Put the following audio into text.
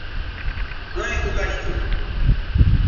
ھویں تو کش تھو